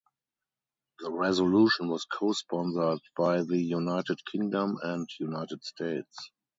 The resolution was co-sponsored by the United Kingdom and United States.